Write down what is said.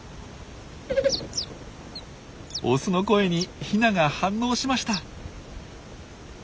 オスの声にヒナが反応しました。